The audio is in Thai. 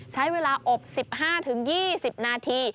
ใช้เวลาอบ๑๕๒๐นาที